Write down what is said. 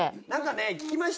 聞きましたよ。